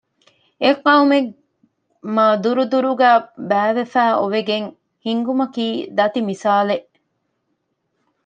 އެއް ޤައުމެއް މާދުރުދުރުގައި ބައިވެފައި އޮވެގެން ހިންގުމަކީ ދަތި މިސާލެއް